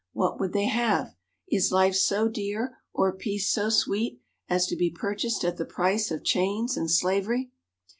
What would they have? Is life so dear or peace so sweet as to be purchased at the price of chains and slavery?